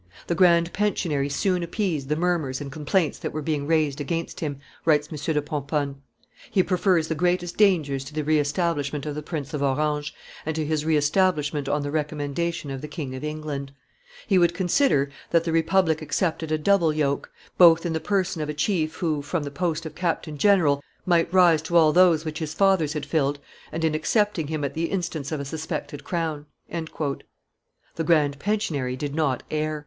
"The grand pensionary soon appeased the murmurs and complaints that were being raised against him," writes M. de Pomponne. "He prefers the greatest dangers to the re estab lishment of the Prince of Orange, and to his re establishment on the recommendation of the King of England; he would consider that the republic accepted a double yoke, both in the person of a chief who, from the post of captain general, might rise to all those which his fathers had filled, and in accepting him at the instance of a suspected crown." The grand pensionary did not err.